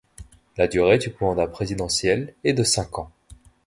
La durée du mandat présidentiel est de cinq ans.